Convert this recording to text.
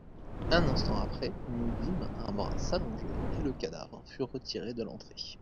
Un instant après, nous vîmes un bras s'allonger, et le cadavre fut retiré de l'entrée.